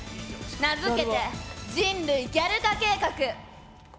名付けて「人類ギャル化計画」！